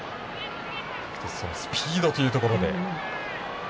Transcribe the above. スピードというところで。